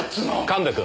神戸君。